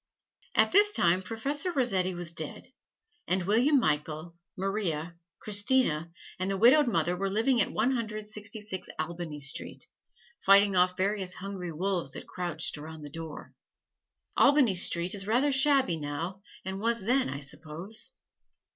At this time Professor Rossetti was dead, and William Michael, Maria, Christina and the widowed mother were living at One Hundred Sixty six Albany Street, fighting off various hungry wolves that crouched around the door. Albany Street is rather shabby now, and was then, I suppose.